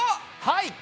はい！